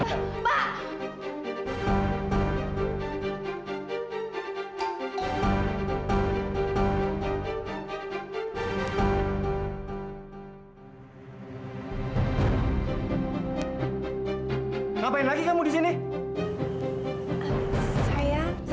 jangan taruh holdsnya